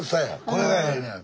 これがええねや。